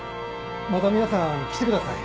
また皆さん来てください。